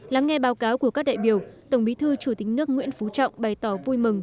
lắng nghe báo cáo của các đại biểu tổng bí thư chủ tịch nước nguyễn phú trọng bày tỏ vui mừng